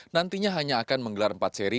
nantinya hanya akan menggelar empat seri